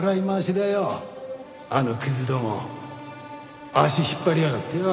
あのクズども足引っ張りやがってよ。